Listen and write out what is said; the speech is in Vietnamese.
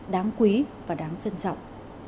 đáng quý và đáng trân trọng